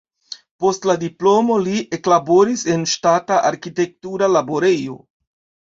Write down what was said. Post la diplomo li eklaboris en ŝtata arkitektura laborejo.